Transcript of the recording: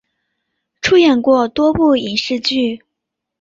出演过多部影视剧。